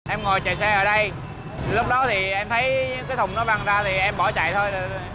em ngồi chạy xe ở đây lúc đó thì em thấy cái thùng nó băng ra thì em bỏ chạy thôi